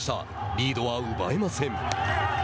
リードは奪えません。